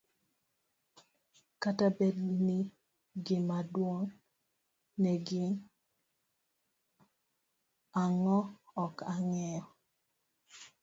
kata bed ni gimaduong' ne gin ang'o, ok ang'eyo.